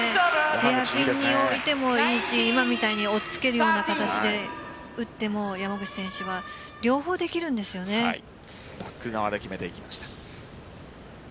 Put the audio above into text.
ヘアピンに置いてもいいし今みたいに追いつけるような形で打っても、山口選手はバック側で決めていきました。